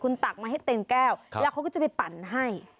ตักมาให้เต็มแก้วแล้วเขาก็จะไปปั่นให้